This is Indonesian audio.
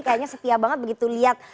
kayaknya setia banget begitu lihat